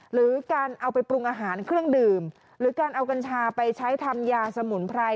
หรือการเอาไปปรุงอาหารเครื่องดื่มหรือการเอากัญชาไปใช้ทำยาสมุนไพร